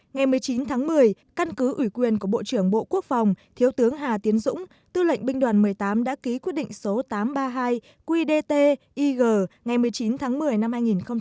ngày một mươi chín tháng một mươi căn cứ ủy quyền của bộ trưởng bộ quốc phòng thiếu tướng hà tiến dũng tư lệnh binh đoàn một mươi tám đã ký quyết định số tám trăm ba mươi hai qdtig ngày một mươi chín tháng một mươi năm hai nghìn một mươi ba